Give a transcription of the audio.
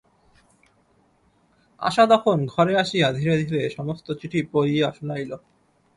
আশা তখন ঘরে আসিয়া ধীরে ধীরে সমস্ত চিঠি পড়িয়া শুনাইল।